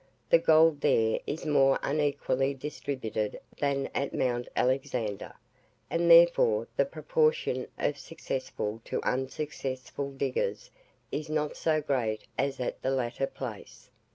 The gold there is more unequally distributed than at Mount Alexander, and therefore the proportion of successful to unsuccessful diggers is not so great as at the latter place.